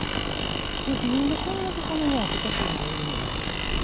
なんでこんな所に秋田犬がおるんだろうって。